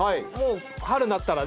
春になったらね。